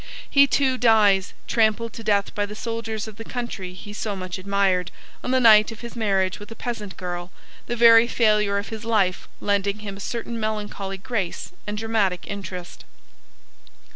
He too dies, trampled to death by the soldiers of the country he so much admired, on the night of his marriage with a peasant girl, the very failure of his life lending him a certain melancholy grace and dramatic interest.